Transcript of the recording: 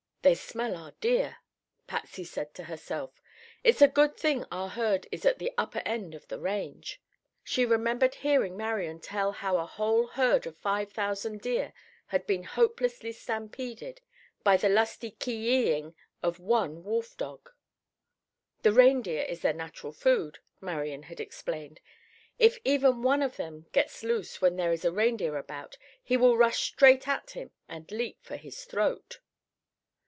"They smell our deer," Patsy said to herself. "It's a good thing our herd is at the upper end of the range!" She remembered hearing Marian tell how a whole herd of five thousand deer had been hopelessly stampeded by the lusty ki yi ing of one wolf dog. "The reindeer is their natural food," Marian had explained. "If even one of them gets loose when there is a reindeer about he will rush straight at him and leap for his throat."